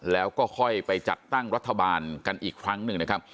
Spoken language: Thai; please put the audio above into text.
แล้วก็ค่อยไปจัดตั้งรัฐบาลกันอีกครั้งหนึ่งนะครับ